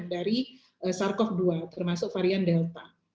dari sars cov dua termasuk varian delta